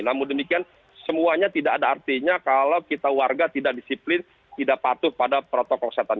namun demikian semuanya tidak ada artinya kalau kita warga tidak disiplin tidak patuh pada protokol kesehatan